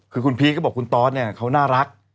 คือคุณพีชก็บอกคุณตอสเนี่ยเขาน่ารัก